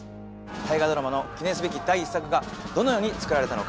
大河ドラマの記念すべき第１作がどのように作られたのか。